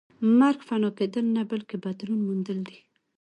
مرګ فنا کېدل نه بلکې بدلون موندل دي